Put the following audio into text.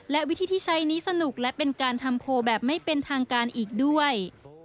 และวิธีที่ใช้นี้สนุกและเป็นการทำโพลแบบไม่เป็นทางการอีกด้วย